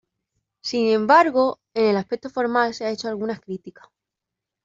Sin embargo, en el aspecto formal se han hecho algunas críticas.